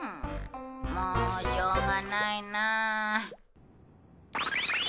もうしょうがないなあ。